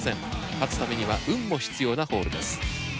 勝つためには運も必要なホールです。